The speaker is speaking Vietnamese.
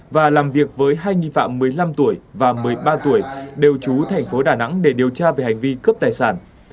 và làm việc với hai nghi phạm một mươi năm tuổi và một mươi ba tuổi đều trú thành phố đà nẵng để điều tra về hành vi cướp tài sản